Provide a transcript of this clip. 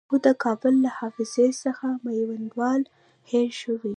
خو د کابل له حافظې څخه میوندوال هېر شوی.